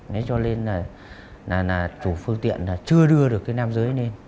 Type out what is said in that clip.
nên cho nên là chủ phương tiện chưa đưa được cái nam giới lên